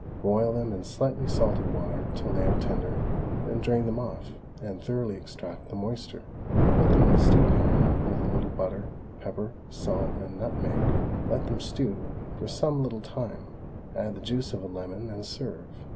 Boil them in slightly salted water till they are tender, then drain them off, and thoroughly extract the moisture; put them in a stew pan with a little butter, pepper, salt, and nutmeg, let them stew for some little time; add the juice of a lemon, and serve.